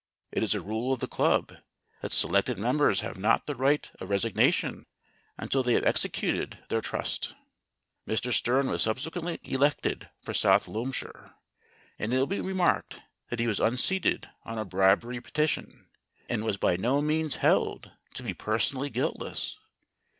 It is a rule of the club that selected members have not the right of resignation until they have executed their trust. Mr. Sterne was subsequently elected for South Loamshire, and it will be remarked that he was un seated on a bribery petition, and was by no means held to be personally guiltless.